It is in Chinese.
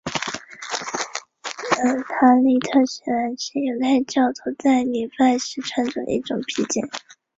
塔利特是男性犹太教徒在礼拜时穿着的一种披肩。